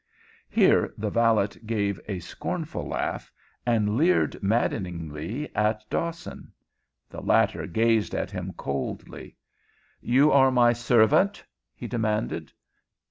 Here the valet gave a scornful laugh, and leered maddeningly at Dawson. The latter gazed at him coldly. "You are my servant?" he demanded.